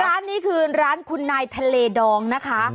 ร้านนี้คือร้านคุณนายทะเลดองนะคะ